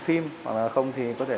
con vẫn khỏe